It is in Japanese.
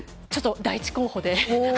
第１候補で。